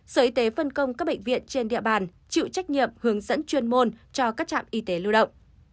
sở y tế phân công các bệnh viện trên địa bàn chịu trách nhiệm hướng dẫn chuyên môn cho các trạm y tế lưu động